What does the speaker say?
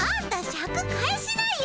シャク返しなよ。